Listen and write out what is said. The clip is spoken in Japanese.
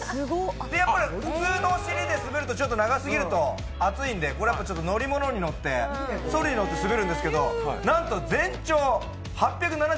やっぱり、普通に滑ると長いんでこれは乗り物に乗って、そりに乗って滑るんですけどなんと全長８７７ｍ。